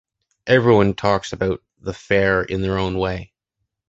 Everyone talks about the fair in their own way.